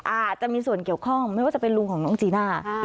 อาจจะมีส่วนเกี่ยวข้องไม่ว่าจะเป็นลุงของน้องจีน่า